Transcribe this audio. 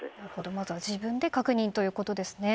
まずは自分で確認ということですね。